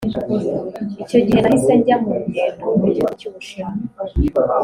Icyo gihe nahise njya mu rugendo mu gihugu cy’u Bushinwa